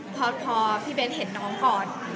พอพี่เบ้นเห็นน้องก่อน